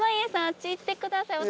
あっち行ってください。